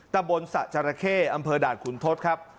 ตะบนสระจาระเข้อำเภอดาษคุณทศครับ